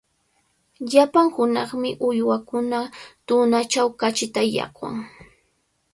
Llapan hunaqmi uywakuna tunachaw kachita llaqwan.